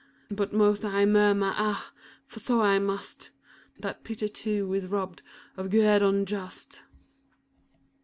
But most 1 murmur, ah ! for so I must. That pity too is robbed of guerdon just.